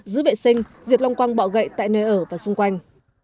giữ vệ sinh diệt long quăng bọ gậy tại nơi ở và xung quanh